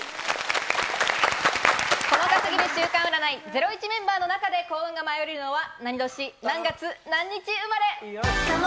『ゼロイチ』メンバーの中で幸運が舞い降りるのは、何年何月何日生まれ。